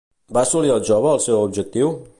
Va assolir el jove el seu objectiu?